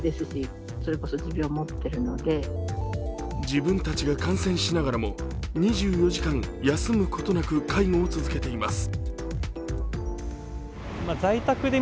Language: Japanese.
自分たちが感染しながらも２４時間休むことなく介護を続けています。